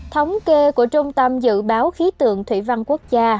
thống kê của trung tâm dự báo khí tượng thủy văn quốc gia